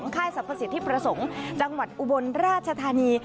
ค่ายสรรพสิทธิประสงค์จังหวัดอุบลราชธานี